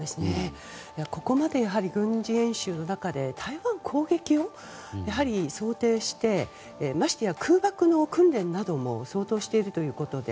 ここまで軍事演習の中で台湾への攻撃を想定してましてや、空爆の訓練なども想定しているということで。